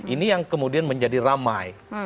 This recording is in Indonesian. ini yang kemudian menjadi ramai